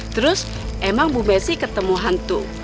terus emang bu messi ketemu hantu